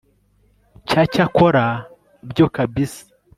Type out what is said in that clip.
cya cyakora byo kabsa